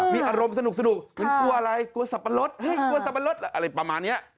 มีอารมณ์สนุกมันกลัวอะไรกลัวสับปะรดอะไรประมาณนี้